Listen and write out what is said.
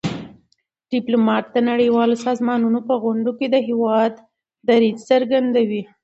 ډيپلومات د نړیوالو سازمانونو په غونډو کي د هېواد دریځ څرګندوي.